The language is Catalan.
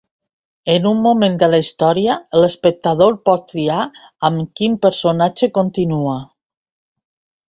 En un moment de la història, l’espectador pot triar amb quin personatge continua.